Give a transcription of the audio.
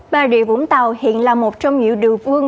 bà rịa vũng tàu hiện là một trong nhiều đường quân